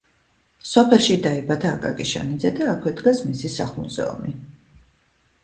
სოფელში დაიბადა აკაკი შანიძე და აქვე დგას მისი სახლ-მუზეუმი.